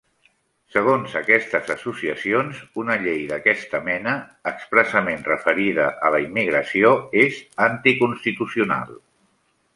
Segons aquestes associacions, una llei d'aquesta mena, expressament referida a la immigració, és anticonstitucional.